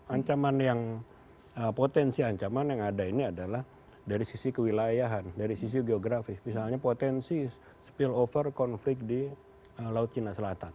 ancaman yang potensi ancaman yang ada ini adalah dari sisi kewilayahan dari sisi geografis misalnya potensi spill over konflik di laut cina selatan